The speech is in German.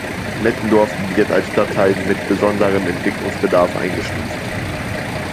Mettenhof wird als Stadtteil mit besonderem Entwicklungsbedarf eingestuft.